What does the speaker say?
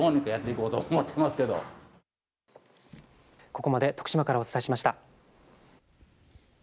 ここまで徳島からお伝えしました。